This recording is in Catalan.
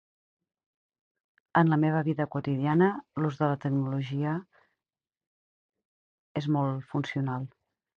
En la meva vida quotidiana, l'ús de la tecnologia és molt funcional.